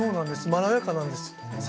まろやかなんですよね。